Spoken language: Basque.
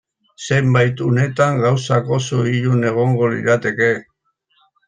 Zenbait unetan gauzak oso ilun egongo lirateke.